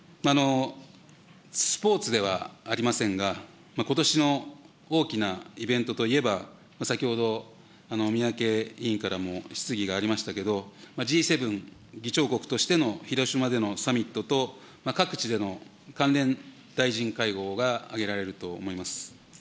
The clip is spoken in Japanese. スポーツではありませんが、ことしの大きなイベントといえば、先ほど、三宅委員からも質疑がありましたけれども、Ｇ７議長国としての広島でのサミットと各地での関連大臣会合が挙げられると思います。